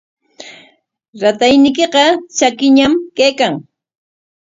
Ratayniykiqa tsakiñam kaykan.